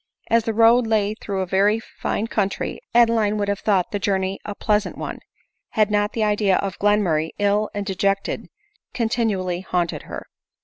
As the road lay through a very fine country, Adeline' would have thought the journey a plea sant one, had not the idea of Glenmurray, ill and deject ed, continually haunted her.